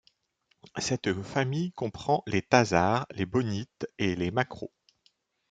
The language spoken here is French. Cette famille comprend les thazards, les bonites et les maquereaux.